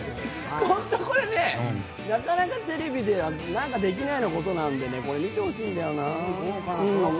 ホントこれね、なかなかテレビではできないことなので見てほしいんだよな。